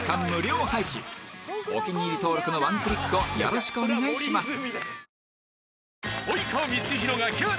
お気に入り登録のワンクリックをよろしくお願いします